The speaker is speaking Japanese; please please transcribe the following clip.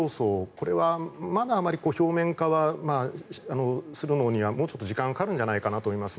これはまだあまり表面化するのにはもうちょっと時間がかかるのではと思います。